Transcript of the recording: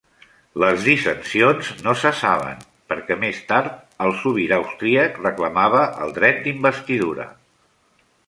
Les dissensions no cessaven, perquè més tard el sobirà austríac reclamava el dret d'investidura.